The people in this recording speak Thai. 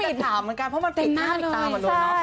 เพราะมันปริศนาบติดตามหลวงเนาะ